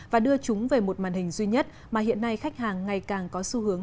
và đưa chúng về một màn hình duy nhất mà hiện nay khách hàng ngày càng có xu hướng